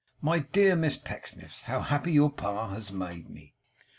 My dear Miss Pecksniffs, how happy your Pa has made me!